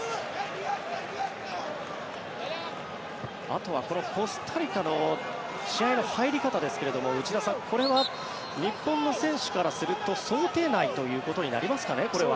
あとはこのコスタリカの試合の入り方ですが内田さんこれは日本の選手からすると想定内ということになりますかねこれは。